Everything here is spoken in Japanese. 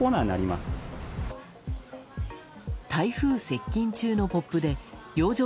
「台風接近中！！」のポップで養生